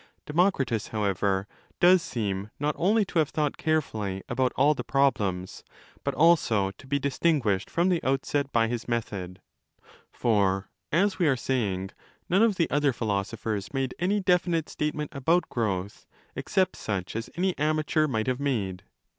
Demokritos, however, does seem not only to have thought carefully about all the problems, but also to be distinguished from the outset by 315° his method. For, as we are saying, none of the other philo sophers made any definite statement about growth, except such as any amateur might have made.